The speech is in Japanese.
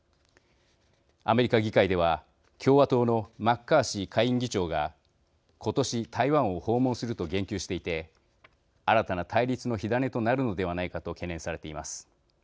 アメリカ議会では共和党のマッカーシー下院議長が今年、台湾を訪問すると言及していて新たな対立の火種となるのではないかと懸念されています。